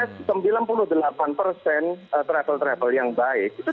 travel travel yang baik itu